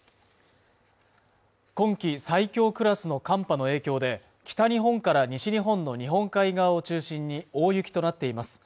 今季最強クラスの寒波の影響で北日本から西日本の日本海側を中心に大雪となっています